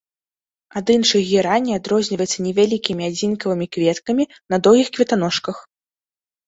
Ад іншых гераней адрозніваецца невялікімі адзінкавымі кветкамі на доўгіх кветаножках.